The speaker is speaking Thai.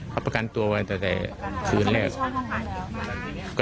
เขาประกันตัวตั้งแต่ฝืนเลือก